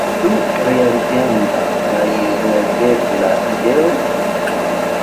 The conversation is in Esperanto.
Ĉu realigenda kaj realigebla ideo?